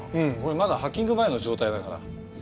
これまだハッキング前の状態だから。